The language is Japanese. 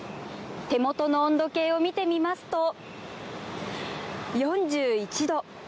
手元の温度計を見てみますと４１度。